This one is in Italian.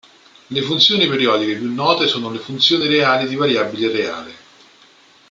Le funzioni periodiche più note sono le funzioni reali di variabile reale.